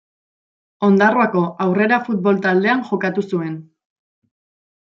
Ondarroako Aurrera futbol taldean jokatu zuen.